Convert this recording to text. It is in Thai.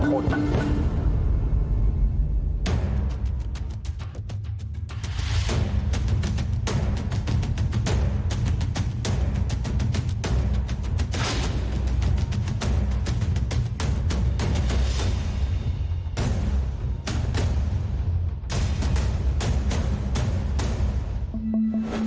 บ๊วยบราษนมบบบุตรจัย